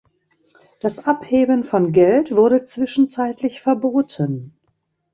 Das Abheben von Geld wurde zwischenzeitlich verboten.